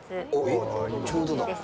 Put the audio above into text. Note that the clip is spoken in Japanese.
えっ、ちょうどだ。